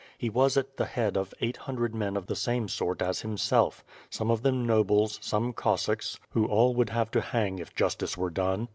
He was at the head of eight hundred men of the same sort as himself; some of them nobles, some Cossacks, w^ho all would have to hang if justice were done.